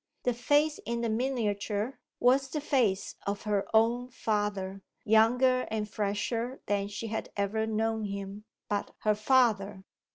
The face in the miniature was the face of her own father younger and fresher than she had ever known him but her father!